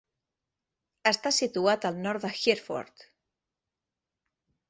Està situat al nord de Hereford.